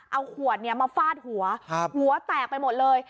เอาหัวเนี่ยมาฟาดหัวหัวแตกไปหมดเลย